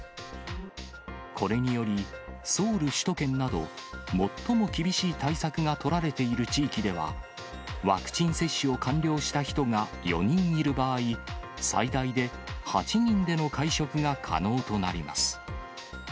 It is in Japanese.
これにより、ソウル首都圏など、最も厳しい対策が取られている地域では、ワクチン接種を完了した人が４人いる場合、最大で８人での会食が可能となります。